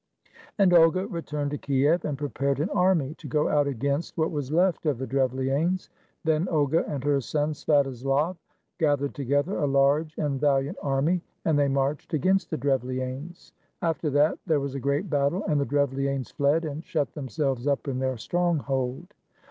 And Olga returned to Kiev, and prepared an army to go out against what was left of the Drevlianes. Then Olga and her son Svatoslav gathered together a large and valiant army, and they marched against the Drevli anes. After that, there was a great battle, and the Drev lianes fled and shut themselves up in their stronghold.